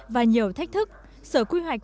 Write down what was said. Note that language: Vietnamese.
và nhiều thách thức sở quy hoạch